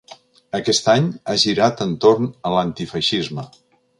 Aquest any, ha girat entorn a l’antifeixisme.